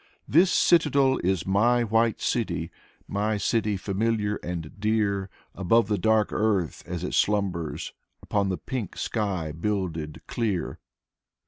This citadel is my white city, My city familiar and dear, Above the dark earth as it slumbers, Upon the pink sky builded clear.